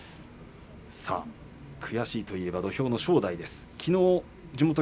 悔しいといえば、土俵の正代です。